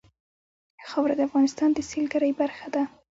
خاوره د افغانستان د سیلګرۍ برخه ده.